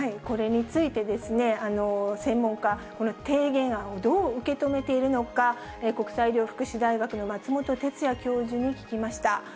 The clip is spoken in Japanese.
これについてですね、専門家、この提言案をどう受け止めているのか、国際医療福祉大学の松本哲哉教授に聞きました。